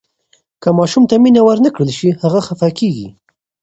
که ماشوم ته مینه ورنکړل شي، هغه خفه کیږي.